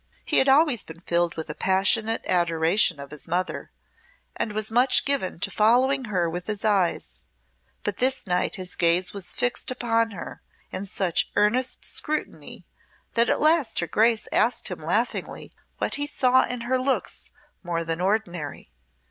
He had always been filled with a passionate adoration of his mother, and was much given to following her with his eyes; but this night his gaze was fixed upon her in such earnest scrutiny that at last her Grace asked him laughingly what he saw in her looks more than ordinary.